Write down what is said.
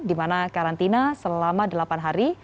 di mana karantina selama delapan hari